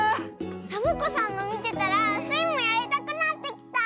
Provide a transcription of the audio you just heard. サボ子さんのみてたらスイもやりたくなってきた！